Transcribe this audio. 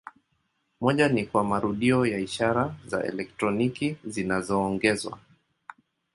Moja ni kwa marudio ya ishara za elektroniki zinazoongezwa.